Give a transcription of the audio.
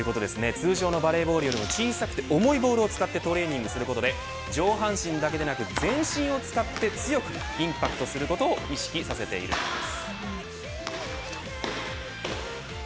通常のバレーボールよりも小さくて重いボールを使ってトレーニングすることで上半身だけでなく全身を使って強くインパクトすることを意識させているんです。